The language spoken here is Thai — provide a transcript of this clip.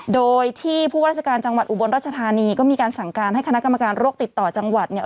โดยที่ผู้ว่าราชการจังหวัดอุบลรัชธานีก็มีการสั่งการให้คณะกรรมการโรคติดต่อจังหวัดเนี่ย